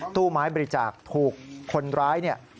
ตู้ไม้บริจาคถูกคนร้าย